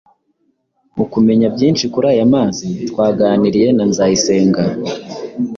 mu kumenya byinshi kuri aya mazi twaganiriye na Nzayisenga